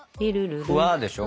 ふわでしょ